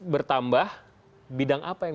bertambah bidang apa yang